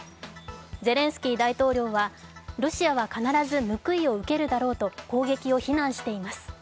ゼレンスキー大統領はロシアは必ず報いを受けるだろうと攻撃を非難しています。